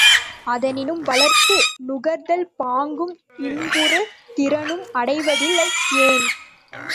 அதனினும் வளர்ந்து நுகர்தல் பாங்கும் இன்புறு திறனும் அடைவதில்லை ஏன்?